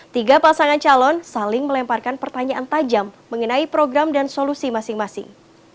tiga pasangan calon saling melemparkan pertanyaan tajam mengenai program dan solusi masing masing